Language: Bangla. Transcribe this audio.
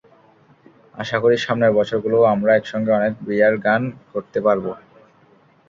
আশা করি, সামনের বছরগুলোয়ও আমরা একসঙ্গে অনেক বিয়ার পান করতে পারব।